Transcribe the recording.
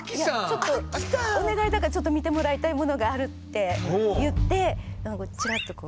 ちょっとお願いだからちょっと見てもらいたいものがあるって言ってちらっとこう。